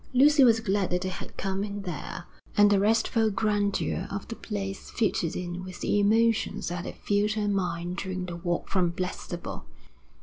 Lucy was glad that they had come there, and the restful grandeur of the place fitted in with the emotions that had filled her mind during the walk from Blackstable.